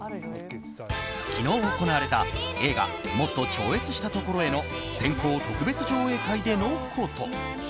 昨日行われた映画「もっと超越した所へ。」の先行特別上映会でのこと。